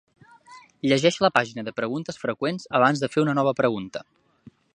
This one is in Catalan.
Llegeix la pàgina de preguntes freqüents abans de fer una nova pregunta.